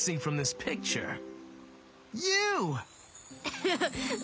フフフフ！